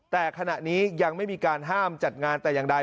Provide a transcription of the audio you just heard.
แต่ขณะนี้ยังไม่มีการห้ามจัดงานแต่อย่างใด